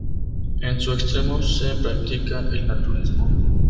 En su extremo se practica el naturismo.